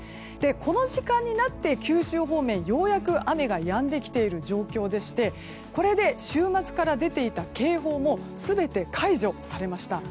この時間になって九州方面ようやく雨がやんできている状況でしてこれで週末から出ていた警報も全て解除されました。